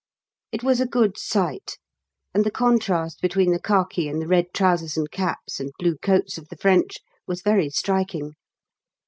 It was a good sight, and the contrast between the khaki and the red trousers and caps and blue coats of the French was very striking.